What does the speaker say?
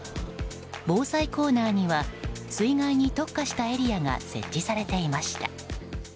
防災コーナーには水害に特化したエリアが設置されていました。